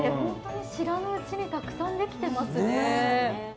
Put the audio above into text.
知らないうちにたくさんできていますね。